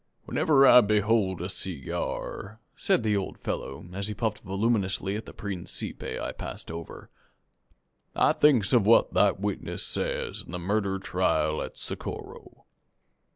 "Whenever I behold a seegyar," said the old fellow, as he puffed voluminously at the principe I passed over, "I thinks of what that witness says in the murder trial at Socorro.